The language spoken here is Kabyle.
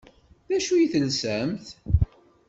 D acu i telsamt?